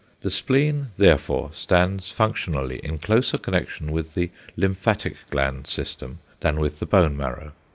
The spleen therefore stands functionally in closer connection with the lymphatic gland system than with the bone marrow.